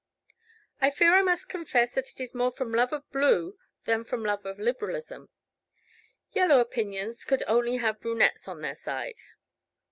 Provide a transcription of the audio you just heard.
"I fear I must confess that it is more from love of blue than from love of Liberalism. Yellow opinions could only have brunettes on their side."